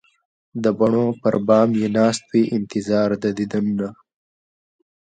د بڼو پر بام یې ناست وي انتظار د دیدنونه